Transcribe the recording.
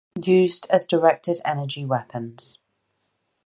Used as directed-energy weapons.